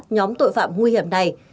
nhóm tội phạm nguy hiểm này